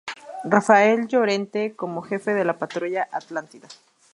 Rafael Llorente como jefe de la Patrulla Atlántida.